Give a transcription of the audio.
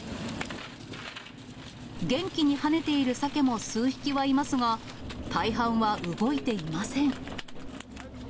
元気に跳ねているサケも数匹はいますが、大半は動いていません。